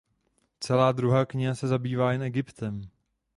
Celá druhá kniha se zabývá jen Egyptem.